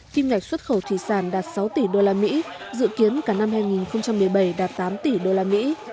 kim ngạch xuất khẩu thủy sản đạt sáu tỷ usd dự kiến cả năm hai nghìn một mươi bảy đạt tám tỷ usd